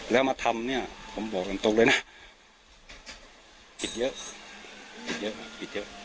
แล้วมาทำเนี่ยผมบอกตรงเลยนะจิตเยอะจิตเยอะผิดเยอะ